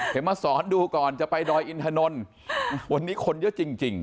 มาสอนดูก่อนจะไปดอยอินทนนท์วันนี้คนเยอะจริง